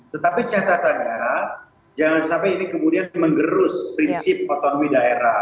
tetapi catatannya jangan sampai ini kemudian menggerus prinsip otonomi daerah